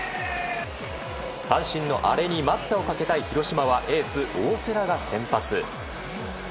阪神のアレに待ったをかけたい広島はエース大瀬良が先発。